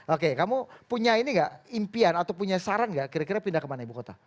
oke kamu punya ini nggak impian atau punya saran nggak kira kira pindah kemana ibu kota